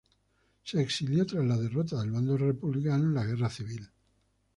Se exilió tras la derrota del bando republicano en la Guerra Civil.